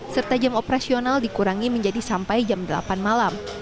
serta jam operasional dikurangi menjadi sampai jam delapan malam